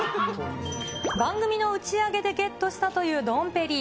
番組の打ち上げでゲットしたというドンペリ。